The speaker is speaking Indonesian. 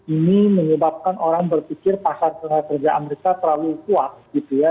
ini menyebabkan orang berpikir pasar tenaga kerja amerika terlalu kuat gitu ya